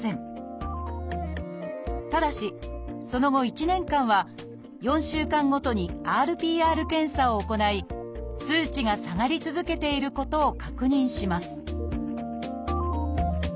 ただしその後１年間は４週間ごとにＲＰＲ検査を行い数値が下がり続けていることを確認します